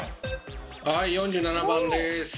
はい４７番です。